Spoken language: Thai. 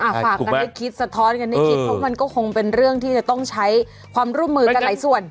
ฝากกันให้คิดสะท้อนกันให้คิดเพราะมันก็คงเป็นเรื่องที่จะต้องใช้ความร่วมมือกันหลายส่วน